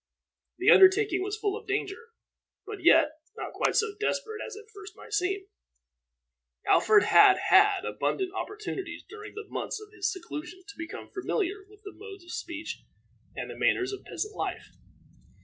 The undertaking was full of danger, but yet not quite so desperate as at first it might seem. Alfred had had abundant opportunities during the months of his seclusion to become familiar with the modes of speech and the manners of peasant life.